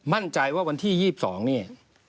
มั่นใจว่าวันที่๒๒เนี่ย